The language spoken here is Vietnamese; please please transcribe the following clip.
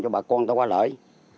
cho bà con ta qua lại